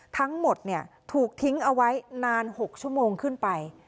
ทั้งหมดถูกทิ้งเอาไว้นาน๖ชั่วโมงขึ้นไป